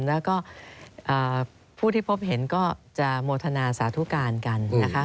แล้วก็ผู้ที่พบเห็นก็จะโมทนาสาธุการกันนะคะ